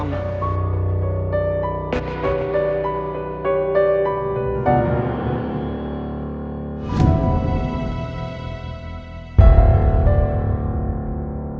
sampai ketemu lagi